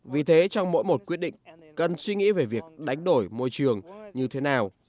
vì thế trong mỗi một quyết định cần suy nghĩ về việc đánh đổi môi trường như thế nào